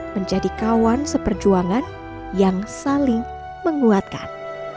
menjadi kawan seperjuangan yang saling menguatkan